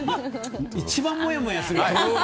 一番もやもやする。